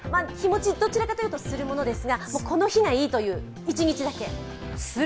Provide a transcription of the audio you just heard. どちらかというと、日もちするものですが、この日がいいという１日だけ。